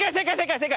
正解！